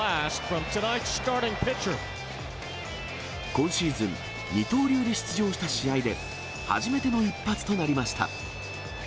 今シーズン、二刀流で出場した試合で、初めての一発となりました。